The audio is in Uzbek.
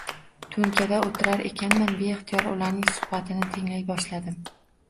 Toʻnkada oʻtirar ekanman, beixtiyor ularning suhbatini tinglay boshladim.